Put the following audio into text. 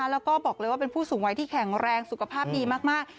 แล้วก็บอกเลยว่าเป็นผู้สูงวัยที่แข็งแรงสุขภาพดีมาก